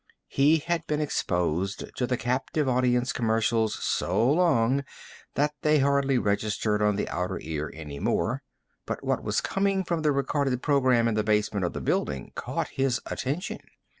He had been exposed to the captive audience commercials so long that they hardly registered on the outer ear any more, but what was coming from the recorded program in the basement of the building caught his attention.